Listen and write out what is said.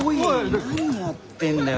何やってんだよ！